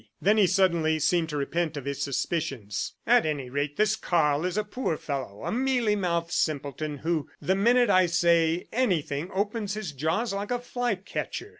'" Then he suddenly seemed to repent of his suspicions. "At any rate, this Karl is a poor fellow, a mealy mouthed simpleton who the minute I say anything opens his jaws like a fly catcher.